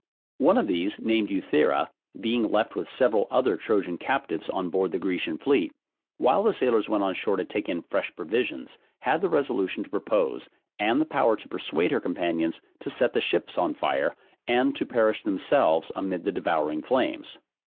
One of these, named Euthira, being left with several other Trojan captives on board the Grecian fleet, while the sailors went on shore to take in fresh provisions, had the resolution to propose, and the power to persuade her companions, to set the ships on fire, and to perish themselves amid the devouring flames.